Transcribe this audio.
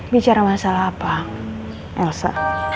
bicara masalah apa elsa